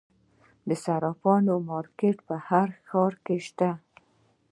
د صرافانو مارکیټونه په هر ښار کې شته